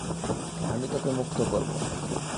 আমি তোকে মুক্ত করব।